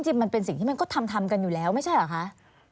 มันเป็นสิ่งที่มันก็ทำกันอยู่แล้วไม่ใช่เหรอคะ